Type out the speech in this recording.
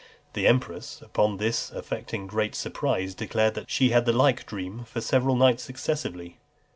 The empress, upon this, affecting great surprise, declared she had the like dream for several nights successively.